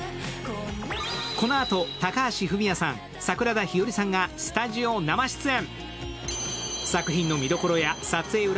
このあと、高橋文哉さん桜田ひよりさんがスタジオ生出演。